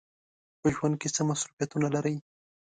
په ژوند کې څه مصروفیتونه لرئ؟